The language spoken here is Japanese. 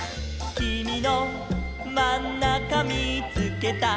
「きみのまんなかみーつけた」